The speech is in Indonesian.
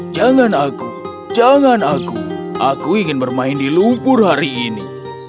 jangan aku jangan aku aku ingin bermain di lumpur hari ini